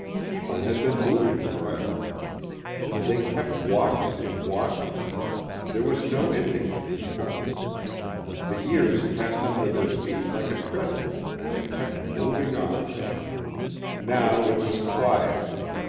People had been moving forever. They kept walking and walking. There was no ending to people. The years passed under their feet like a treadmill and they kept moving on. Now it was quiet.